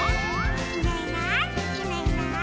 「いないいないいないいない」